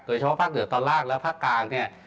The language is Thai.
เฉพาะภาคเหนือตอนล่างและภาคกลางเนี่ย